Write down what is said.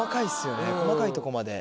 細かいとこまで。